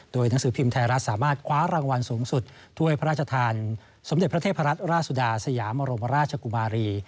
โดยหนังสือพิมพ์ไทยรัฐสามารถคว้ารางวัลสูงสุดถ้วยพระราชทานสมเด็จพระเทพรัตนราชสุดาสยามรมราชกุมารี